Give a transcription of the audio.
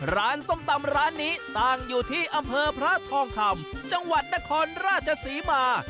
ส้มตำร้านนี้ตั้งอยู่ที่อำเภอพระทองคำจังหวัดนครราชศรีมา